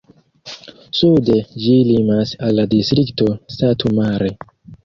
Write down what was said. Sude ĝi limas al la distrikto Satu Mare.